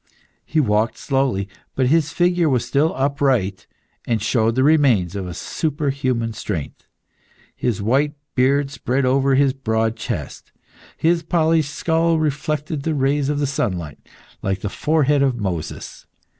He walked slowly, but his figure was still upright, and showed the remains of a superhuman strength. His white beard spread over his broad chest, his polished skull reflected the rays of sunlight like the forehead of Moses.